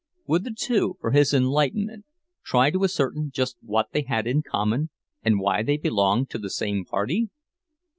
Would the two, for his enlightenment, try to ascertain just what they had in common, and why they belonged to the same party?